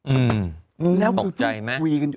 อืมตกใจไหม